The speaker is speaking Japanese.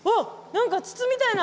何か筒みたいな。